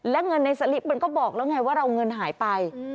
และเงินในสลิปมันก็บอกแล้วไงว่าเราเงินหายไป